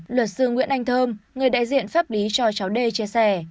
luật sư nguyễn anh thơm người đại diện pháp lý cho cháu đê chia sẻ